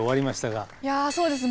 いやそうですね